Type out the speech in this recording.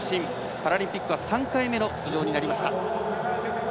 パラリンピックは３回目の出場になりました。